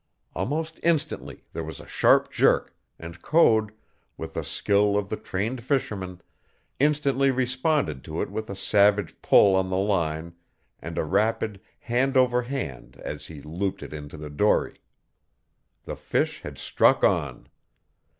Almost instantly there was a sharp jerk, and Code, with the skill of the trained fisherman, instantly responded to it with a savage pull on the line and a rapid hand over hand as he looped it into the dory. The fish had struck on.